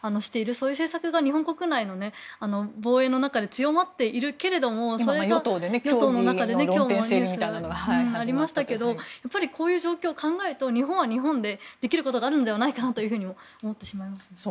そういう政策が日本国内の防衛の中で強まっているというのが与党の中で今日のニュースでもありましたけどこういう状況を考えると日本は日本でできることがあるのではないかと思ってしまうんですよね。